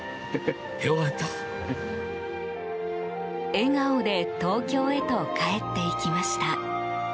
笑顔で東京へと帰っていきました。